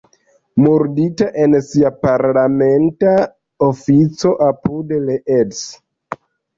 Murdita en sia parlamenta ofico apud Leeds.